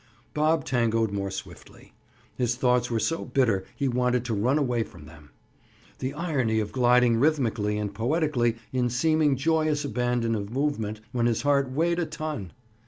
— Bob tangoed more swiftly. His thoughts were so bitter he wanted to run away from them. The irony of gliding rhythmically and poetically in seeming joyous abandon of movement when his heart weighed a ton!